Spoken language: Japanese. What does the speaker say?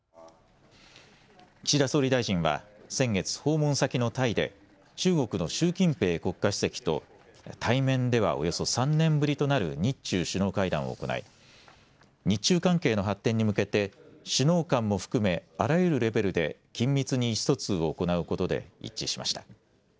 岸田総理大臣は先月、訪問先のタイで中国の習近平国家主席と対面ではおよそ３年ぶりとなる日中首脳会談を行い日中関係の発展に向けて首脳間も含めあらゆるレベルで緊密に意思疎通を行うことで一致しました。